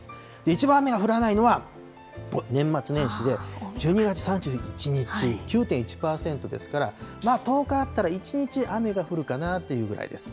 一番雨が降らないのは、年末年始で１２月３１日、９．１％ですから、１０日あったら１日雨が降るかなというぐらいです。